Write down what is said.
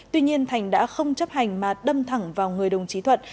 tuy nhiên thành đã không chấp hành mà đâm thẳng vào người đồng chí thuận